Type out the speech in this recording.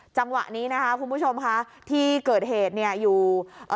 จังหวะนี้นะคะคุณผู้ชมค่ะที่เกิดเหตุเนี่ยอยู่เอ่อ